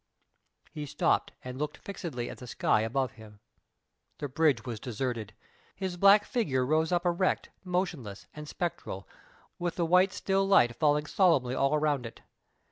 He stopped, and looked fixedly at the sky above him. The bridge was deserted. His black figure rose up erect, motionless, and spectral, with the white still light falling solemnly all around it.